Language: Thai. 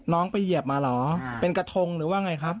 น้องไปเหยียบมาเหรอเป็นกระทงหรือว่าไงครับ